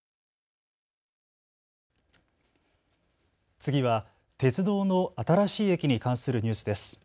次は鉄道の新しい駅に関するニュースです。